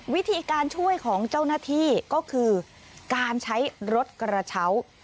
วิธีการช่วยของเจ้าหน้าที่ก็คือการใช้รถกระเช้า